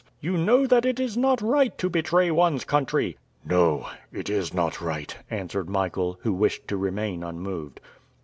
"You know that it is not right to betray one's country!" "No... it is not right..." answered Michael, who wished to remain unmoved.